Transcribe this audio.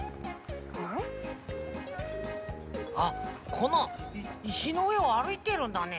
あっこのいしのうえをあるいてるんだね。